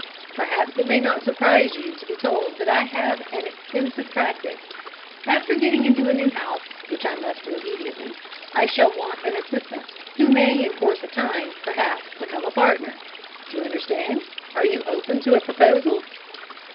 Perhaps it may not surprise you to be told that I have an extensive practice. After getting into a new house, which I must do immediately, I shall want an assistant, who may in course of time, perhaps, become a partner. D'you understand? Are you open to a proposal?"